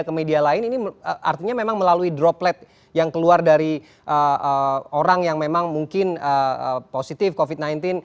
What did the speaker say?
ke media lain ini artinya memang melalui droplet yang keluar dari orang yang memang mungkin positif covid sembilan belas